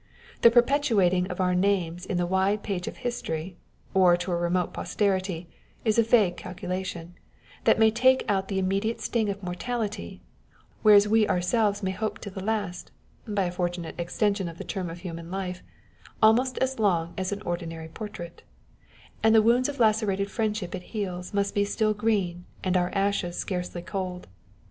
The perpetuating our names in the wide page of history or to a remote posterity is a vague calculation, that may take out the immediate sting of mortality â€" whereas we ourselves may hope to last (by a fortunate extension of the term of human life) almost as long as an ordinary portrait ; and the wounds of lacerated friendship it heals must be still green, and our ashes scarcely cold.